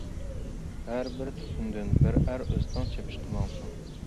ھەربىر تۈتۈندىن بىر ئەر ئۆستەڭ چېپىشقا ماڭسۇن!